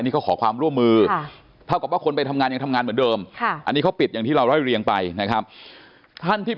เขาก็ขอความร่วมมือเท่ากับคนไปทำงานอย่างทำงานเหมือนเดิม